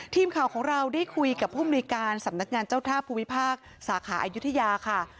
ทีมข่าวของเราได้คุยกับผู้มนุยการสำนักงานเจ้าท่าภูมิภาคสาขาอายุทยาค่ะ